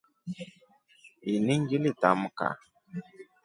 Ini ngilitamka.